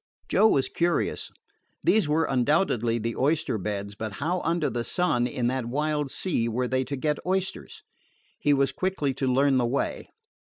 Joe was curious. These were undoubtedly the oyster beds; but how under the sun, in that wild sea, were they to get oysters? He was quickly to learn the way.